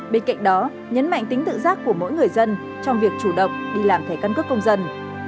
bên cạnh đó nhấn mạnh tính tự giác của mỗi người dân trong việc chủ động đi làm thẻ căn cước công dân